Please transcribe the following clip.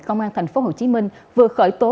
công an tp hcm vừa khởi tố